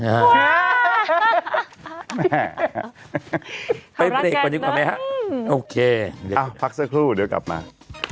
เขารักกันโอเคเอ้าพักสักครู่เดี๋ยวกลับมา